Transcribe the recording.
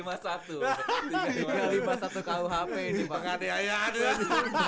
berapa tahun nih harusnya nih pak nih